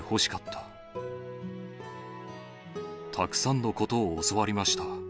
たくさんのことを教わりました。